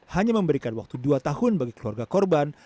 hanya memberikan waktu dua tahun bagi keluarga korban